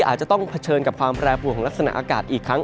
อาจจะต้องเผชิญกับความแปรปวนของลักษณะอากาศอีกครั้ง